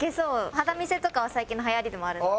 「肌見せ」とかは最近のはやりでもあるので。